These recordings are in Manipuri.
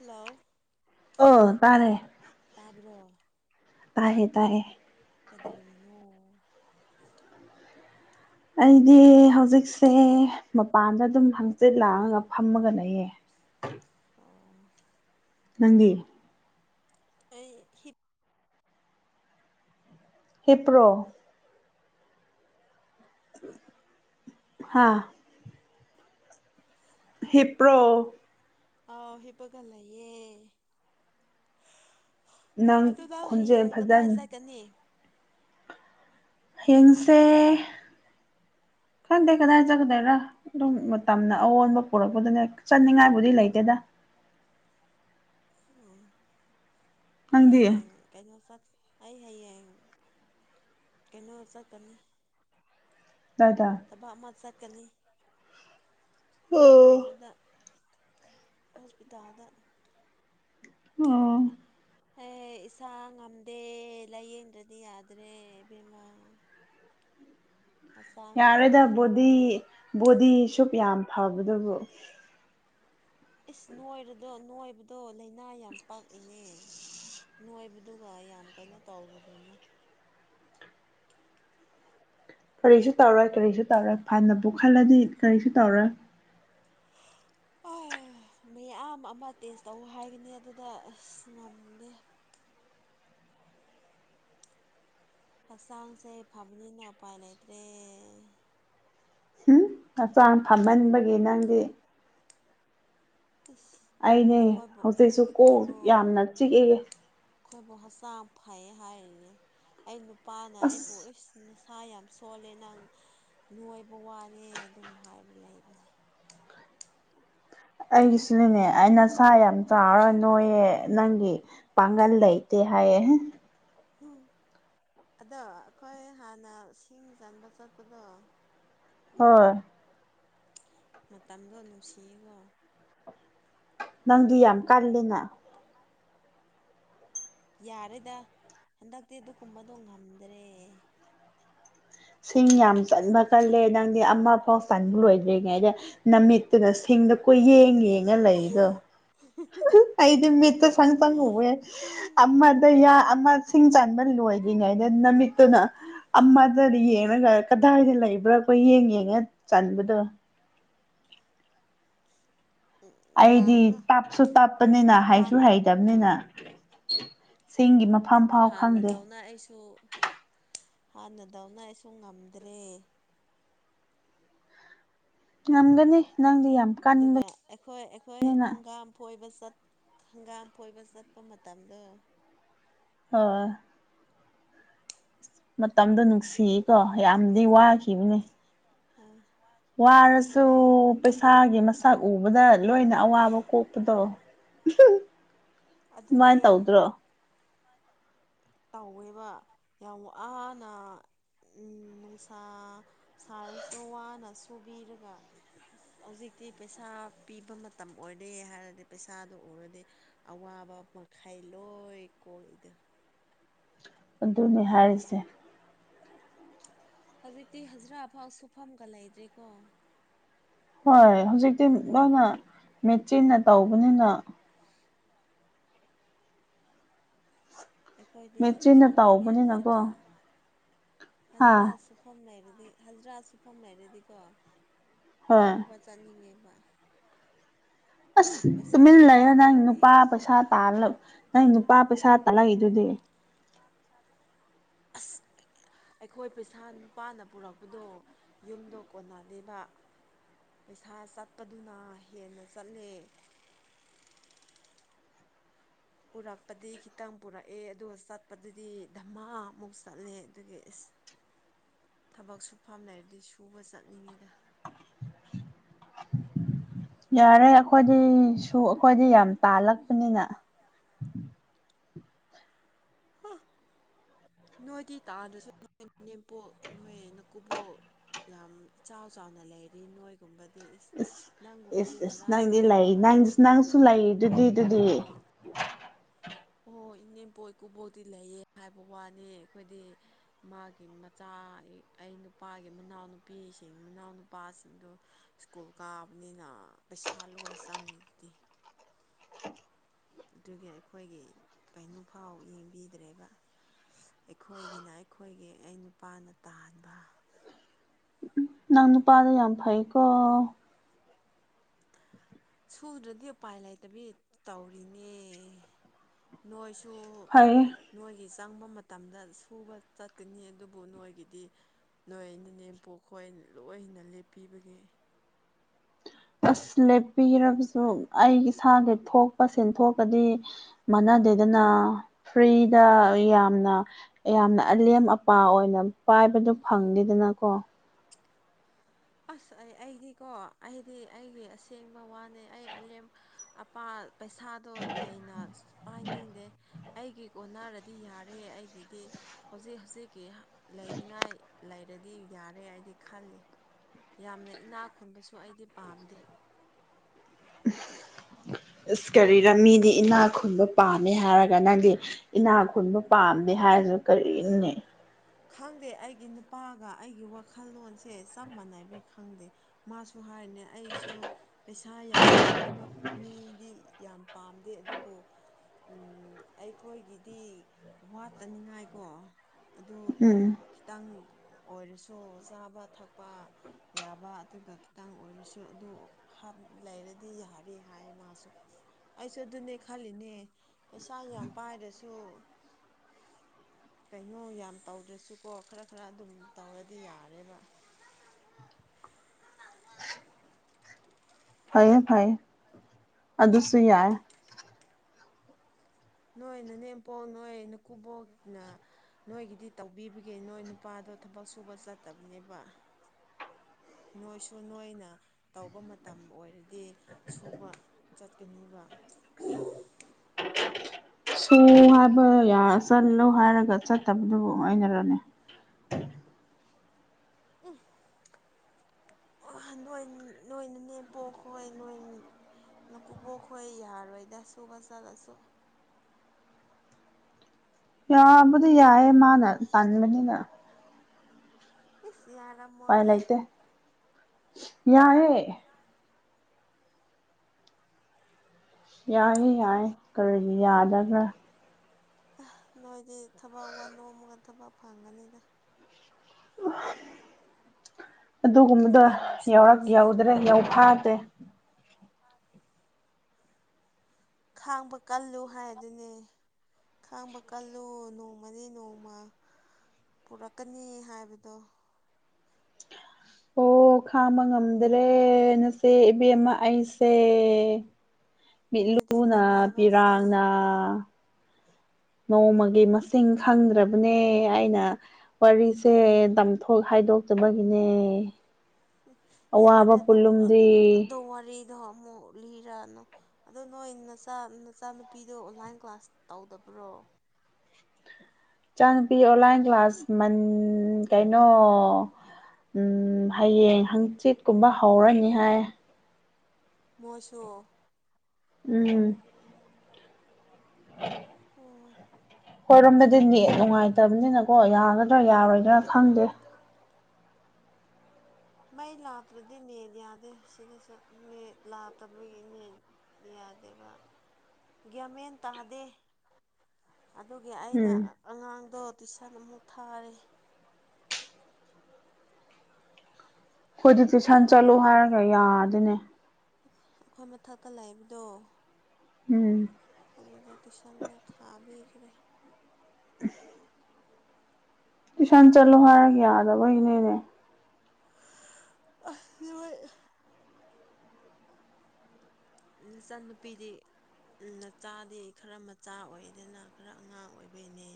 ꯍꯜꯂꯣ ꯑ ꯇꯥꯔꯦ ꯇꯥꯕ꯭ꯔꯣ ꯇꯥꯔꯍꯦ ꯇꯥꯏꯔꯌꯦ ꯀꯩꯗꯧꯔꯤꯅꯣ ꯑꯩꯗꯤ ꯍꯧꯖꯤꯛꯁꯦ ꯃꯄꯥꯟꯗ ꯑꯗꯨꯝ ꯍꯪꯆꯤꯠ ꯂꯥꯡꯉꯒ ꯐꯝꯃꯒꯂꯩꯌꯦ ꯑꯣ ꯅꯪꯒꯤ ꯑꯩ ꯍꯤꯠ ꯍꯤꯞꯄ꯭ꯔꯣ ꯍꯥꯥ ꯍꯤꯞꯄ꯭ꯔꯣ ꯑꯥꯎ ꯍꯤꯞꯄꯒ ꯂꯩꯑꯦ ꯑꯗꯨ ꯅꯪ ꯈꯣꯟꯖꯦꯜ ꯍꯌꯦꯡ ꯀꯗꯥꯏ ꯐꯖꯅ ꯆꯠꯀꯅꯤ ꯍꯌꯦꯡꯁꯦ ꯈꯪꯗꯦ ꯀꯗꯥꯏ ꯆꯠꯀꯗꯣꯏꯔꯥ ꯑꯗꯨꯝ ꯃꯇꯝꯅ ꯑꯋꯣꯟꯕ ꯄꯨꯔꯛꯄꯗꯨꯅꯦ ꯆꯠꯅꯤꯡꯉꯥꯏꯕꯨꯗꯤ ꯂꯩꯇꯦꯗ ꯎꯝ ꯑꯩ ꯅꯪꯗꯤ ꯍꯌꯦꯡ ꯀꯩꯅꯣ ꯆꯠ ꯑꯩ ꯍꯌꯦꯡ ꯀꯩꯅꯣ ꯆꯠꯀꯅꯤ ꯗꯥꯏꯗꯥ ꯊꯕꯛ ꯑꯃ ꯆꯠꯀꯅꯤ ꯑꯣ ꯀꯩꯅꯣꯗ ꯍꯣꯁꯄꯤꯇꯥꯜꯗ ꯑꯣ ꯑꯦ ꯏꯁꯥ ꯉꯝꯗꯦ ꯂꯥꯏꯌꯦꯡꯗ꯭ꯔꯗꯤ ꯌꯥꯗ꯭ꯔꯦ ꯏꯕꯦꯝꯃꯥ ꯌꯥꯔꯦꯗ ꯐꯕꯅꯤꯅ ꯕꯣꯗꯤ ꯑꯩꯈꯣꯏꯗꯤ ꯕꯣꯗꯤ ꯁꯨꯛ ꯌꯥꯝ ꯐꯕꯗꯨꯕꯨ ꯏꯁ ꯅꯣꯏꯔꯗꯣ ꯅꯣꯏꯕꯗꯣ ꯂꯩꯅꯥ ꯌꯥꯝ ꯄꯛ ꯏꯅꯦ ꯅꯣꯏꯕꯗꯨꯒ ꯌꯥꯝ ꯀꯩꯅꯣ ꯇꯧꯔꯨꯔꯨꯅꯨ ꯀꯔꯤꯁꯨ ꯇꯧꯔꯣꯏ ꯀꯔꯤꯁꯨ ꯇꯧꯔꯣꯏ ꯐꯅꯕꯨ ꯈꯜꯂꯗꯤ ꯀꯔꯤꯁꯨ ꯇꯧꯔꯣꯏ ꯍꯣꯏ ꯃꯌꯥꯝ ꯑꯃ ꯇꯦꯁ ꯇꯧ ꯍꯥꯏꯒꯅꯤ ꯑꯗꯨꯗ ꯑꯁ ꯉꯝꯗꯦ ꯍꯛꯆꯥꯡꯁꯦ ꯐꯕꯅꯤꯅ ꯎꯄꯥꯏ ꯂꯩꯇ꯭ꯔꯦ ꯍꯨꯝ ꯍꯛꯆꯥꯡ ꯐꯃꯟꯕꯒꯤ ꯅꯪꯗꯤ ꯑꯁ ꯑꯩꯅꯦ ꯑꯩꯈꯣꯏꯕꯨ ꯍꯧꯖꯤꯛꯁꯨ ꯀꯣꯛ ꯑꯩꯈꯣꯏꯕꯨ ꯌꯥꯝꯅ ꯆꯤꯛꯑꯦ ꯑꯩꯈꯣꯏꯕꯨ ꯍꯛꯆꯥꯡ ꯐꯩ ꯍꯥꯏꯔꯤꯅꯦ ꯑꯩ ꯅꯨꯄꯥꯅ ꯑꯩꯕꯨ ꯑꯁ ꯏꯁ ꯑꯗꯨ ꯅꯁꯥꯥ ꯌꯥꯝ ꯁꯣꯜꯂꯦ ꯅꯪ ꯅꯣꯏꯕ ꯋꯥꯅꯦ ꯑꯗꯨꯝ ꯍꯥꯏꯔꯒ ꯂꯩꯕꯅꯦ ꯑꯩꯒꯤꯁꯨꯅꯦꯅꯦ ꯑꯩ ꯅꯁꯥ ꯌꯥꯝ ꯆꯥꯎꯔ ꯅꯣꯏꯌꯦ ꯅꯪꯒꯤ ꯄꯥꯡꯒꯜ ꯂꯩꯇꯦ ꯍꯥꯏꯌꯦ ꯍꯝ ꯑꯗꯣ ꯑꯩꯈꯣꯏ ꯍꯥꯟꯅ ꯁꯤꯡ ꯆꯟꯕ ꯆꯠꯄꯗꯣ ꯍꯣꯏ ꯃꯇꯝꯗꯣ ꯅꯨꯡꯁꯤꯌꯦꯀꯣ ꯅꯪꯗꯤ ꯌꯥꯝ ꯀꯜꯂꯤꯅ [unintelligible] ꯌꯥꯔꯦꯗ ꯍꯟꯗꯛꯇꯤ ꯑꯗꯨ ꯀꯨꯝꯕꯗꯣ ꯉꯝꯗ꯭ꯔꯦ ꯁꯤꯡ ꯌꯥꯝ ꯆꯟꯕ ꯀꯜꯂꯦ ꯅꯪꯗꯤ ꯑꯃꯐꯥꯎ ꯆꯟꯕ ꯂꯣꯏꯗ꯭ꯔꯤꯉꯩꯗ ꯅꯃꯤꯠꯇꯨꯅ ꯁꯤꯡꯗ ꯀꯨꯌꯦꯡ ꯌꯦꯡꯉ ꯂꯩꯗꯣ ꯑꯩꯗꯤ ꯃꯤꯠꯇ ꯁꯪꯆꯪ ꯎꯋꯦ ꯎꯝ ꯑꯃꯗ ꯌꯥ ꯑꯃ ꯁꯤꯡ ꯆꯟꯕ ꯂꯣꯏ ꯉꯩꯗ ꯅꯃꯤꯠꯇꯨꯅ ꯑꯃꯗ ꯌꯦꯡꯔꯒ ꯀꯗꯥꯏꯗ ꯂꯩꯕ꯭ꯔꯥ ꯀꯣꯏꯌꯦꯡ ꯌꯦꯡꯉ ꯆꯟꯕꯗꯣ ꯑꯩꯗꯤ ꯌꯥꯔꯦꯗ ꯇꯞꯁꯨ ꯇꯞꯄꯅꯤꯅ ꯍꯥꯟ ꯍꯩꯁꯨ ꯍꯩꯗꯕꯅꯤꯅ ꯁꯤꯡꯒꯤ ꯃꯐꯝ ꯐꯥꯎ ꯈꯪꯗꯦ ꯍꯥꯟꯅꯗꯧꯅ ꯑꯩꯁꯨ ꯍꯥꯟꯅꯗꯧꯅ ꯑꯩꯁꯨ ꯉꯝꯗ꯭ꯔꯦ ꯉꯝꯒꯅꯤ ꯅꯪꯗꯤ ꯌꯥꯝ ꯑꯗꯨꯒ ꯀꯟꯕꯅꯤꯅ ꯑꯩꯈꯣꯏ ꯑꯩꯈꯣꯏ ꯍꯪꯒꯥꯝ ꯐꯣꯏꯕ ꯆꯠ ꯍꯪꯒꯥꯝ ꯐꯣꯏꯕ ꯆꯠꯄ ꯃꯇꯝꯗꯣ ꯍꯣꯏ ꯃꯇꯝꯗꯣ ꯅꯨꯡꯁꯤꯌꯦꯀꯣ ꯌꯥꯝꯗꯤ ꯑꯗꯨꯒꯗ ꯋꯥꯈꯤꯕꯅꯦ ꯑꯥ ꯋꯥꯔꯁꯨ ꯑꯥ ꯄꯩꯁꯥꯒꯤ ꯃꯁꯛ ꯎꯕꯗ ꯂꯣꯏꯅ ꯑꯋꯥꯕ ꯀꯣꯛ ꯄꯗꯣ ꯗꯨꯃꯥꯏ ꯑꯗꯨꯅꯦ ꯇꯧꯗ꯭ꯔꯣ ꯇꯧꯋꯦꯕ ꯌꯥꯝ ꯋꯥꯅ ꯎ ꯅꯨꯡꯁꯥ ꯁꯥꯔꯁꯨ ꯋꯥꯅ ꯁꯨꯕꯤꯔꯒ ꯑꯁ ꯍꯧꯖꯤꯛꯇꯤ ꯄꯩꯁꯥ ꯄꯤꯕ ꯃꯇꯝ ꯑꯣꯏꯔꯦ ꯍꯥꯏꯔꯗꯤ ꯄꯩꯁꯥꯗꯨ ꯎꯔꯗꯤ ꯑꯋꯥꯕ ꯃꯈꯩ ꯂꯣꯏ ꯀꯣꯛꯏꯗ ꯑꯗꯨꯅꯤ ꯍꯥꯏꯔꯤꯁꯦ ꯍꯧꯖꯤꯛꯇꯤ ꯍꯖꯤꯔꯥꯐꯥꯎ ꯁꯨꯐꯝꯒ ꯂꯩꯇ꯭ꯔꯦꯀꯣ ꯍꯣꯏ ꯍꯧꯖꯤꯛꯇꯤ ꯂꯣꯏꯅ ꯃꯦꯆꯤꯟꯅ ꯇꯧꯕꯅꯤꯅ ꯑꯩꯈꯣꯏꯗꯤ ꯃꯦꯆꯤꯟꯅ ꯁꯨꯅꯤꯡꯉꯦ ꯇꯧꯕꯅꯤꯅꯀꯣ ꯍꯥꯖꯤꯔꯥ ꯍꯥ ꯍꯖꯔꯥ ꯁꯨꯐꯝ ꯂꯩꯔꯗꯤ ꯍꯖꯔꯥ ꯁꯨꯐꯝ ꯂꯩꯔꯗꯤꯀꯣ ꯍꯣꯏ ꯁꯨꯕ ꯆꯠꯅꯤꯡꯉꯦꯕ ꯑꯁ ꯇꯨꯃꯤꯟ ꯄꯩꯁꯥꯅ ꯂꯩꯌꯣ ꯅꯪ ꯂꯩꯇꯕꯅꯦ ꯅꯨꯄꯥ ꯄꯩꯁꯥ ꯇꯥ ꯅꯪ ꯅꯨꯄꯥ ꯄꯩꯁꯥ ꯇꯥꯂꯛꯏꯗꯨꯗꯤ [unintelligible] ꯑꯁ [inaudible] ꯑꯩꯈꯣꯏ ꯄꯩꯁꯥ ꯅꯨꯄꯥꯅ ꯄꯨꯔꯛꯄꯗꯣ ꯌꯨꯝꯗꯣ ꯀꯣꯟꯅꯗꯦꯕ ꯄꯩꯁꯥ ꯆꯠꯄꯗꯨꯅ ꯍꯦꯟꯅ ꯆꯠꯂꯦ ꯄꯨꯔꯛꯄꯗꯤ ꯈꯤꯇꯪ ꯄꯨꯔꯛꯑꯦ ꯑꯗꯨꯒ ꯆꯠꯄꯗꯨꯗꯤ ꯙꯃꯥꯃꯨꯛ ꯆꯠꯂꯦ ꯑꯗꯨꯒꯤ ꯑꯦꯁ ꯊꯕꯛ ꯁꯨꯐꯝ ꯂꯩꯔꯗꯤ ꯁꯨꯕ ꯆꯠꯅꯤꯡꯉꯤꯗ ꯌꯥꯔꯦ ꯑꯩꯈꯣꯏꯗꯤ ꯁꯨ ꯑꯩꯈꯣꯏꯗꯤ ꯌꯥꯝ ꯇꯥꯜꯂꯛꯄꯅꯤꯅ [unintelligible] ꯅꯣꯏꯗꯤ ꯇꯥꯟꯗꯁꯨ ꯅꯣꯏ ꯅꯥꯅꯦꯝꯄꯣꯛ ꯅꯣꯏ ꯅꯀꯨꯕꯣꯛ ꯌꯥꯝ ꯏꯆꯥꯎ ꯆꯥꯎꯅ ꯂꯩꯔꯤ ꯅꯣꯏꯒꯨꯝꯕꯗꯤ ꯏꯁ ꯅꯪꯒꯨꯝꯕꯗꯤ ꯏꯁ ꯏꯁ ꯅꯔꯥꯏꯕꯛ ꯅꯪꯗꯤ ꯌꯥꯝ ꯂꯩꯥ ꯅꯪꯗꯤ ꯐꯔꯕꯅꯤ ꯅꯪꯁꯨ ꯂꯩꯗꯨꯗꯤ ꯑꯗꯨꯗꯤ ꯍꯣꯏ ꯏꯅꯦꯝꯄꯣꯏ ꯏꯀꯨꯕꯣꯛꯇꯤ ꯂꯩꯌꯦ ꯍꯥꯏꯕ ꯋꯥꯅꯤ ꯑꯩꯈꯣꯏꯗꯤ ꯃꯥꯒꯤ ꯃꯆꯥ ꯑꯩ ꯅꯨꯄꯥꯒꯤ ꯃꯅꯥꯎꯅꯨꯄꯤꯁꯤꯡ ꯃꯅꯥꯎ ꯅꯨꯄꯥꯁꯤꯡꯗꯨ ꯁ꯭ꯀꯨꯜ ꯀꯥꯕꯅꯤꯅ ꯄꯩꯁꯥ ꯂꯣꯏ ꯆꯪꯉꯤꯗꯨꯗꯤ ꯑꯗꯨꯒꯤ ꯑꯩꯈꯣꯏꯒꯤ ꯀꯩꯅꯣꯐꯥꯎ ꯌꯦꯡꯕꯤꯗ꯭ꯔꯦꯕ ꯑꯩꯈꯣꯏꯒꯤꯅ ꯑꯩꯈꯣꯏꯒꯤ ꯑꯩ ꯅꯨꯄꯥꯅ ꯇꯥꯟꯕ ꯅꯪ ꯅꯨꯄꯥꯗꯣ ꯌꯥꯝ ꯐꯩꯀꯣ ꯁꯨꯗ꯭ꯔꯗꯤ ꯎꯄꯥꯏ ꯂꯩꯇꯕꯤ ꯇꯧꯔꯤꯅꯦ ꯅꯣꯏꯁꯨ ꯐꯩꯌꯦ ꯅꯣꯏꯒꯤ ꯆꯪꯕ ꯃꯇꯝꯗ ꯁꯨꯕ ꯆꯠꯀꯅꯤ ꯑꯗꯨꯕꯨ ꯅꯣꯏꯒꯤꯗꯤ ꯅꯣꯏ ꯅꯅꯦꯝꯄꯣꯛꯈꯣꯏ ꯂꯣꯏ ꯂꯦꯞꯄꯤꯕꯒꯤ ꯑꯁ ꯂꯦꯞꯄꯤꯔꯕꯁꯨ ꯑꯩ ꯏꯁꯥꯒꯤ ꯊꯣꯛꯄ ꯁꯦꯟꯊꯣꯛꯀꯗꯤ ꯃꯥꯟꯅꯗꯦꯗꯅ ꯐ꯭ꯔꯤꯗ ꯌꯥꯝꯅ ꯌꯥꯝꯅ ꯑꯂꯦꯝ ꯑꯄꯥ ꯑꯣꯏꯅ ꯄꯥꯏꯕꯗꯣ ꯐꯪꯗꯦꯗꯅꯀꯣ ꯑꯁ ꯑꯩ ꯑꯩꯗꯤꯀꯣ ꯑꯩꯗꯤ ꯑꯩꯒꯤ ꯑꯁꯦꯡꯕ ꯋꯥꯅꯦ ꯑꯩ ꯑꯂꯦꯝ ꯑꯄꯥ ꯄꯩꯁꯥꯗꯣ ꯂꯩꯅ ꯄꯥꯏꯅꯤꯡꯗꯦ ꯑꯩꯒꯤ ꯀꯣꯟꯅꯔꯗꯤ ꯌꯥꯔꯦ ꯑꯩꯒꯤꯗꯤ ꯍꯧꯖꯤꯛ ꯍꯧꯖꯤꯛꯀꯤ ꯂꯩꯅꯤꯡꯉꯥꯏ ꯂꯩꯔꯗꯤ ꯌꯥꯔꯦ ꯍꯥꯏꯗꯤ ꯈꯜꯂꯤ ꯌꯥꯝꯅ ꯏꯅꯥꯛ ꯈꯨꯟꯕꯁꯨ ꯑꯩꯗꯤ ꯄꯥꯝꯗꯦ ꯑꯁ ꯀꯔꯤꯔ ꯃꯤꯗꯤ ꯏꯅꯥ ꯈꯨꯟꯕ ꯄꯥꯝꯃꯦ ꯍꯥꯏꯔꯒ ꯅꯪꯗꯤ ꯏꯅꯥ ꯈꯨꯟꯕ ꯄꯥꯝꯗꯦ ꯍꯥꯏꯔꯁꯨ ꯣ ꯀꯔꯤꯅꯣꯅꯦ [unintelligible] ꯈꯪꯗꯦ ꯑꯩꯒꯤ ꯅꯨꯄꯥꯒ ꯑꯩꯒꯤ ꯋꯥꯈꯜꯂꯣꯟꯁꯦ ꯆꯞ ꯃꯥꯟꯅꯅꯕꯩ ꯈꯪꯗꯦ ꯃꯥꯁꯨ ꯍꯥꯏꯅꯦ ꯑꯩꯁꯨ ꯄꯩꯁꯥ ꯌꯥꯝ ꯄꯥꯏꯕ ꯃꯤꯗꯤ ꯌꯥꯝ ꯄꯥꯝꯗꯦ ꯑꯗꯨꯕꯨ ꯎꯝ ꯑꯩꯈꯣꯏꯒꯤꯗꯤ ꯋꯥꯠꯇꯅꯤꯡꯉꯥꯏꯀꯣ ꯑꯗꯨ ꯎꯝ ꯈꯤꯇꯪ ꯑꯣꯏꯔꯁꯨ ꯆꯥꯕ ꯊꯛꯄ ꯌꯥꯕ ꯑꯗꯨꯒ ꯈꯤꯇꯪ ꯑꯣꯏꯔꯁꯨ ꯑꯗꯨ ꯂꯩꯔꯗꯤ ꯌꯥꯔꯦ ꯍꯥꯏ ꯃꯥꯁꯨ ꯑꯩꯁꯨ ꯑꯗꯨꯅꯦ ꯈꯜꯂꯤꯅꯦ ꯄꯩꯁꯥ ꯌꯥꯝ ꯄꯥꯏꯔꯁꯨ ꯀꯩꯅꯣ ꯌꯥꯝ ꯇꯧꯗ꯭ꯔꯁꯨꯀꯣ ꯈꯔ ꯈꯔ ꯑꯗꯨꯝ ꯇꯧꯔꯗꯤ ꯌꯥꯔꯦꯕ ꯐꯩꯌꯦ ꯐꯩꯌꯦ ꯑꯗꯨꯁꯨ ꯌꯥꯏ ꯅꯣꯏ ꯅꯅꯦꯝꯄꯣꯛ ꯅꯣꯏ ꯅꯀꯨꯕꯣꯛꯅ ꯅꯣꯏꯒꯤꯗꯤ ꯇꯧꯕꯤꯕꯒꯦ ꯅꯣꯏ ꯅꯨꯄꯥꯗꯣ ꯊꯕꯛ ꯁꯨꯕ ꯆꯠꯇꯕꯅꯦꯕ ꯅꯣꯏꯁꯨ ꯅꯣꯏꯅ ꯇꯧꯕ ꯃꯇꯝ ꯑꯣꯏꯔꯗꯤ ꯁꯨꯕ ꯆꯠꯀꯅꯤꯕ ꯑꯣ ꯍꯥꯏꯕ ꯌꯥ ꯆꯠꯂꯣ ꯍꯥꯏꯔꯒ ꯆꯠꯇꯕꯗꯨꯕꯨ ꯑꯩꯅꯔꯣꯅꯦ ꯎꯐ ꯑꯣ ꯅꯣꯏꯅꯅꯦ ꯄꯣꯛꯈꯣꯏ ꯅꯣꯏ ꯅꯀꯨꯞꯕꯣꯛ ꯈꯣꯏ ꯌꯥꯔꯣꯏꯗ ꯁꯨꯕ ꯆꯠꯂꯁꯨ ꯌꯥꯕꯨꯗꯤ ꯌꯥꯏꯌꯦ ꯃꯥꯅ ꯇꯟꯕꯅꯤꯅ ꯑꯦꯁ ꯌꯥꯔꯝ ꯄꯥꯏ ꯂꯥꯏꯇꯦ ꯌꯥꯔꯦ ꯌꯥꯏꯌꯦ ꯌꯥꯏ ꯀꯔꯤꯗꯤ ꯌꯥꯗꯕ꯭ꯔꯥ ꯑꯥ ꯅꯣꯏꯗꯤ ꯊꯕꯛ ꯋꯥꯅꯣꯝꯃꯒ ꯊꯕꯛ ꯐꯪꯒꯅꯤꯗ ꯑꯗꯨꯒꯨꯝꯕꯗꯣ ꯑꯗꯨꯒꯤ ꯅꯨꯡꯁꯥ ꯌꯧꯔꯛ ꯌꯧꯗ꯭ꯔꯦ ꯊꯤꯔꯨꯅꯨ ꯌꯧꯐꯥꯗꯔꯦ ꯈꯥꯡꯕ ꯀꯜꯂꯨ ꯍꯥꯏꯗꯨꯅꯦ ꯈꯥꯡꯕ ꯀꯜꯂꯨ ꯅꯣꯡꯃꯅꯤ ꯅꯣꯡꯃ ꯄꯨꯔꯛꯀꯅꯤ ꯍꯥꯏꯕꯗꯣ ꯑꯣ ꯈꯥꯕ ꯉꯝꯗ꯭ꯔꯦ ꯅꯆꯦ ꯏꯕꯦꯝꯃ ꯑꯩꯁꯦ ꯅꯨꯣꯏꯗꯤ ꯃꯤꯠꯂꯨꯅ ꯅꯔꯥꯏꯂꯥꯛꯁꯦ ꯄꯤꯔꯥꯡꯅ ꯅꯣꯡꯃꯒꯤ ꯃꯁꯤꯡ ꯈꯪꯗ꯭ꯔꯕꯅꯦ ꯑꯩꯅ ꯋꯥꯔꯤꯁꯦ ꯇꯝꯊꯣꯛ ꯍꯥꯏꯗꯣꯛꯇꯕꯒꯤꯅꯦ ꯌꯥꯔꯦ ꯑꯋꯥꯕ ꯑꯗꯨ ꯄꯨꯂꯨꯝꯗꯤ ꯑꯗꯨ ꯋꯥꯔꯤꯗꯣ ꯑꯃꯨꯛ ꯂꯤꯔꯛꯅꯨ ꯑꯗꯣ ꯅꯣꯏ ꯅꯆꯥ ꯅꯆꯥꯅꯨꯄꯤꯗꯣ ꯑꯣꯟꯂꯥꯏꯟ ꯀ꯭ꯂꯥꯁ ꯇꯧꯗꯕ꯭ꯔꯣ ꯏꯆꯥ ꯅꯨꯨꯄꯤ ꯑꯣꯟꯂꯥꯏꯟ ꯀ꯭ꯂꯥꯁ ꯃꯟ ꯀꯩꯅꯣ ꯎꯝ ꯍꯌꯦꯡ ꯍꯪꯆꯤꯠ ꯀꯨꯝꯕ ꯍꯧꯔꯅꯤ ꯍꯥꯏ ꯃꯣꯏꯁꯨ ꯎꯝ ꯎꯝ ꯍꯣꯏꯔꯣꯝꯗꯗꯤ ꯅꯦꯠ ꯅꯨꯡꯉꯥꯏꯇꯕꯅꯤꯅꯀꯣ ꯌꯥꯒꯗ꯭ꯔꯥ ꯌꯥꯔꯣꯏꯗ꯭ꯔꯥ ꯈꯪꯗꯦ ꯃꯩ ꯂꯥꯇ꯭ꯔꯗꯤ ꯅꯦꯠ ꯌꯥꯗꯦ ꯁꯤꯗꯁꯨ ꯅꯦꯠ ꯂꯥꯇꯕꯒꯤ ꯅꯦꯠ ꯌꯥꯗꯦꯕ ꯒ꯭ꯌꯥꯃꯦꯟ ꯇꯥꯗꯦ ꯑꯗꯨꯒꯤ ꯑꯩꯅ ꯎꯝ ꯑꯉꯥꯡꯗꯣ ꯇꯨꯏꯁꯟ ꯑꯃꯨꯛ ꯊꯥꯔꯦ [inaudible] ꯍꯣꯏꯗꯤ ꯇꯨꯏꯁꯟ ꯑꯩꯈꯣꯏ ꯆꯠꯂꯣ ꯍꯥꯏꯔꯒ ꯌꯥꯗꯦꯅꯦ ꯑꯩꯈꯣꯏ ꯃꯊꯛꯇ ꯂꯩꯕꯗꯣ ꯎꯝ ꯑꯗꯨꯗ ꯇꯨꯏꯁꯟ ꯃꯨꯛ ꯊꯥꯕꯤꯈ꯭ꯔꯦ [inaudible] ꯇꯨꯏꯁꯟ ꯆꯠꯂꯣ ꯍꯥꯏꯔꯒ ꯌꯥꯗꯕꯒꯤꯅꯤꯅꯦ ꯑꯁ ꯅꯣꯏ ꯏꯆꯟ ꯅꯨꯄꯤꯗꯤ ꯎꯝ ꯅꯆꯥꯗꯤ ꯈꯔ ꯃꯆꯥ ꯑꯣꯏꯗꯅ ꯈꯔ ꯑꯉꯥꯡ ꯑꯣꯏꯕꯩꯅꯦ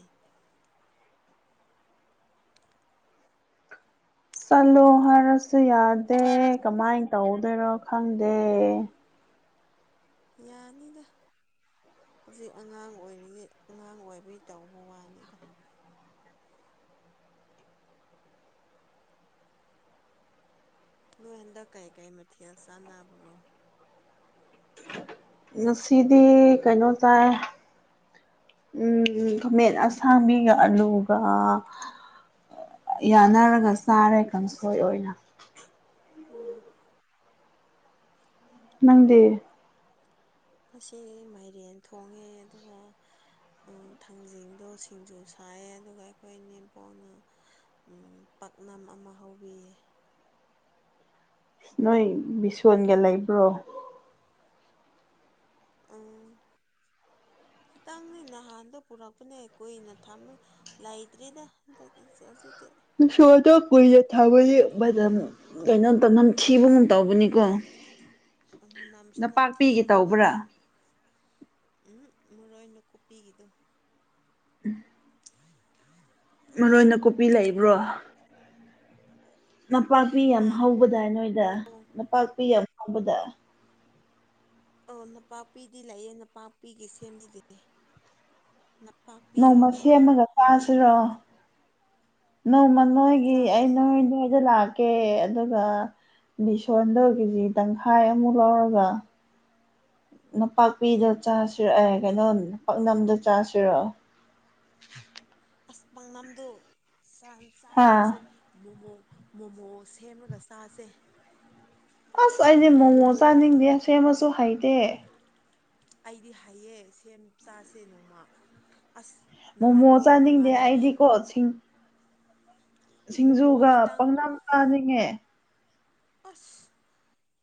ꯆꯠꯂꯣ ꯍꯥꯏꯔꯁꯨ ꯌꯥꯗꯦ ꯀꯃꯥꯏ ꯇꯧꯗꯣꯏꯔꯣ ꯈꯪꯗꯦ ꯌꯥꯅꯤꯗ ꯍꯧꯖꯤꯛ ꯑꯉꯥꯡ ꯑꯣꯏꯔꯤꯌꯦ ꯑꯉꯥꯡ ꯑꯣꯏꯕꯩ ꯇꯧꯕ ꯋꯥꯅꯤꯗ ꯅꯣꯏ ꯍꯟꯗꯛ ꯀꯩ ꯀꯩ ꯃꯊꯦꯜ ꯆꯥꯟꯅꯕ꯭ꯔꯣ ꯉꯁꯤꯗꯤ ꯀꯩꯅꯣ ꯆꯥꯏ ꯎꯝ ꯈꯃꯦꯟ ꯑꯁꯥꯡꯕꯤꯒ ꯑꯂꯨꯒ ꯌꯥꯅꯔꯒ ꯆꯥꯔꯦ ꯀꯥꯡꯁꯣꯏ ꯑꯣꯏꯅ ꯎꯝ ꯅꯪꯗꯤ ꯉꯁꯤ ꯃꯥꯏꯔꯦꯟ ꯊꯣꯡꯉꯦ ꯑꯗꯨꯒ ꯊꯥꯡꯖꯤꯡꯗꯣ ꯁꯤꯡꯖꯨ ꯁꯥꯏꯌꯦ ꯑꯗꯨꯒ ꯑꯩꯈꯣꯏꯅꯤ ꯄꯨꯟꯅ ꯎꯝ ꯄꯥꯛꯅꯝ ꯑꯃ ꯍꯧꯕꯤꯌꯦ ꯅꯣꯏ ꯕꯤꯁꯣꯟꯒ ꯂꯩꯕ꯭ꯔꯣ ꯎꯝ ꯈꯤꯇꯪ ꯅꯍꯥꯟꯗꯣ ꯄꯨꯔꯛꯄꯅꯦ ꯀꯨꯏꯅ ꯊꯝꯃꯦ ꯂꯩꯇ꯭ꯔꯤꯗ ꯍꯟꯗꯛꯀꯤ ꯍꯧꯖꯤꯛꯗꯤ ꯕꯤꯁꯣꯟꯗꯣ ꯀꯨꯏꯅ ꯊꯝꯃꯗꯤ ꯃꯅꯝ ꯀꯩꯅꯣ ꯅꯝ ꯊꯤꯕꯒꯨꯝ ꯇꯧꯕꯅꯤꯀꯣ ꯃꯅꯝꯁꯨ ꯅꯝꯊꯤꯌꯦ ꯅꯄꯥꯛꯄꯤꯒꯤ ꯑꯗꯨꯒ ꯀꯩ ꯇꯧꯕ꯭ꯔꯥ ꯎꯝ ꯃꯔꯣꯏ ꯅꯥꯀꯨꯞꯄꯤꯒꯤꯗꯣ ꯎꯝ [inaudible] ꯃꯔꯣꯏ ꯅꯥꯀꯨꯞꯄꯤ ꯂꯩꯕ꯭ꯔꯣ ꯅꯄꯥꯛꯄꯤ ꯌꯥꯝ ꯍꯥ ꯍꯧꯕꯗꯥꯏ ꯅꯣꯏꯗ ꯑꯣ ꯅꯄꯥꯛꯄꯤ ꯌꯥꯝ ꯍꯧꯕꯗꯥꯢ ꯑꯧ ꯅꯄꯥꯛꯄꯤꯗꯤ ꯂꯑꯦ ꯅꯄꯥꯛꯄꯤꯒꯤ ꯁꯦꯝꯗꯤ ꯂꯩꯌꯦ ꯅꯄꯥꯛꯄꯤꯗꯣ ꯅꯣꯡꯃ ꯃꯥ ꯁꯦꯝꯃꯒ ꯍꯩꯅꯗ ꯃꯥꯜꯂꯦ ꯆꯥꯁꯤꯔꯣ ꯅꯣꯡꯃ ꯅꯣꯏꯒꯤ ꯑꯩ ꯆꯥꯁꯦ ꯅꯣꯏ ꯅꯣꯏꯗ ꯂꯥꯛ ꯀꯦ ꯑꯗꯨꯒ ꯕꯤꯁꯣꯟꯗꯣ ꯀꯦꯖꯤ ꯇꯪꯈꯥꯏ ꯑꯃꯨꯛ ꯂꯧꯔꯒ ꯅꯄꯥꯛꯄꯤꯗꯣ ꯆꯥꯁꯤꯔ ꯑꯦ ꯀꯩꯅꯣ ꯄꯥꯛꯅꯝꯗꯣ ꯆꯥꯁꯤꯔꯣ ꯑꯁ ꯄꯥꯡꯅꯝꯗꯣ ꯌꯥꯝ ꯍꯥ ꯆꯥꯔꯔꯣꯏꯁꯦ ꯃꯣꯃꯣ ꯃꯣꯃꯣ ꯁꯦꯝꯂꯒ ꯆꯥꯁꯦ ꯑꯁ ꯑꯩꯗꯤ ꯃꯣꯃꯣ ꯆꯥꯅꯤꯡꯗꯦ ꯁꯦꯝꯃꯁꯨ ꯍꯩꯇꯦ ꯑꯩꯗꯤ ꯍꯥꯏꯌꯦ ꯁꯦꯝ ꯆꯥꯁꯦ ꯅꯣꯡꯃ ꯑꯁ ꯅꯍꯥꯟꯗꯣ ꯏꯃꯥꯟꯅꯕꯤ ꯄꯐꯤꯡ ꯃꯣꯃꯣ ꯁꯤꯡꯖꯨꯒ ꯈꯤꯇꯪ ꯄꯥꯛꯅꯝ ꯆꯥꯅꯤꯡꯉꯦ ꯑꯁ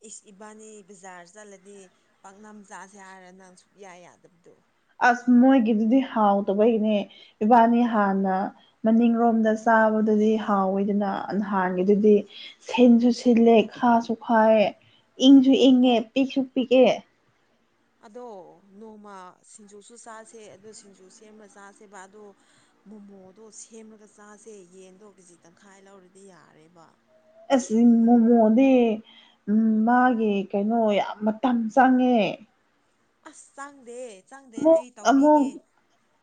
ꯏꯁ ꯏꯕꯥꯅꯤ ꯕꯖꯥꯔ ꯆꯠꯂꯗꯤ ꯄꯥꯛꯅꯝ ꯆꯥꯁꯦ ꯍꯥꯏꯔꯒ ꯅꯪ ꯁꯨꯛꯌꯥ ꯌꯥꯗꯕꯗꯣ ꯑꯁ ꯃꯣꯏꯒꯤꯗꯨꯗꯤ ꯍꯥꯎꯇꯕꯩꯅꯦ ꯏꯕꯥꯅꯤ ꯍꯥꯟꯅ ꯃꯅꯤꯡꯔꯣꯝꯗ ꯆꯥꯕꯗꯨꯗꯤ ꯍꯥꯎꯋꯤꯗꯅ ꯅꯍꯥꯟꯒꯤꯗꯨꯗꯤ ꯁꯤꯟꯁꯨ ꯁꯤꯜꯂꯦ ꯈꯥꯁꯨ ꯈꯥꯌꯦ ꯏꯪꯁꯨ ꯏꯪꯉꯦ ꯄꯤꯛꯁꯨ ꯄꯤꯛꯑꯦ ꯑꯗꯣ ꯅꯣꯡꯃ ꯁꯤꯡꯖꯨꯁꯨ ꯆꯥꯁꯦ ꯑꯗꯨ ꯁꯤꯡꯖꯨ ꯁꯦꯝꯔ ꯆꯥꯁꯦꯕ ꯑꯗꯣ ꯃꯣꯃꯣꯗꯣ ꯁꯦꯝꯂꯒ ꯆꯥꯁꯦ ꯌꯦꯟꯗꯣ ꯀꯦꯖꯤ ꯇꯪꯈꯥꯏ ꯂꯧꯔꯗꯤ ꯌꯥꯔꯦꯕ ꯑꯁ ꯃꯣꯃꯣꯗꯤ ꯎꯝ ꯃꯥꯒꯤ ꯀꯩꯅꯣ ꯌꯥꯝ ꯃꯇꯝ ꯆꯪꯉꯦ ꯑꯁ ꯆꯪꯗꯦ ꯆꯪꯗꯦ ꯑꯃꯨꯛ ꯑꯩ ꯑꯃꯨꯛ ꯇꯧꯕꯤꯒꯦ